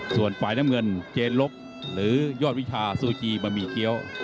ส่วนฝ่ายน้ำเงินเจนลบหรือยอดวิชาซูจีบะหมี่เกี้ยว